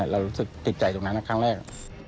เรารู้สึกติดใจตรงนั้นครั้งแรก